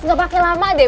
nggak pakai lama deh